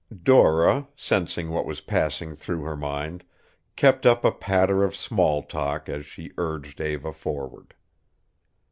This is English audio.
Dora, sensing what was passing through her mind, kept up a patter of small talk as she urged Eva forward.